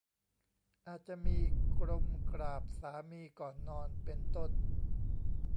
อาจจะมี "กรมกราบสามีก่อนนอน" เป็นต้น